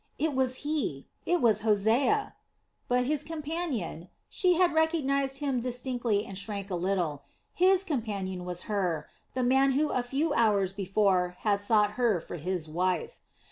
It was he, it was Hosea! But his companion she had recognized him distinctly and shrank a little his companion was Hur, the man who a few hours before had sought her for his wife.